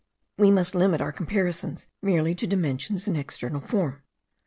We must limit our comparisons merely to dimensions and external form.